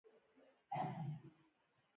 علم د اخلاقو لارښود دی.